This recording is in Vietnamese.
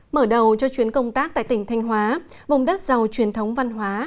mở đầu cho chuyến công tác tại tỉnh thanh hóa vùng đất giàu truyền thống văn hóa